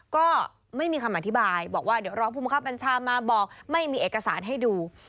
ก็ไม่มีคำอธิบายบอกว่าเดี๋ยวรองภูมิครับบัญชามาบอกไม่มีเอกสารให้ดู